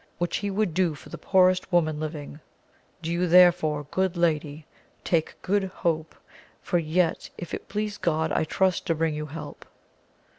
21 which he would do for the poorest wonuin living ; do you therefore good lady, take good hope, for yet if it please God I trust to bring you help.